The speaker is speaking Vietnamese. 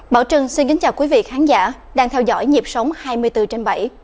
bảo trưng xin kính chào quý vị khán giả đang theo dõi nhịp sống hai mươi bốn trên bảy